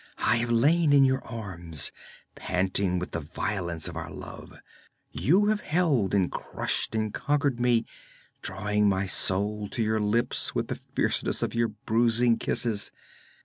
I have lain in your arms, panting with the violence of our love; you have held and crushed and conquered me, drawing my soul to your lips with the fierceness of your bruising kisses.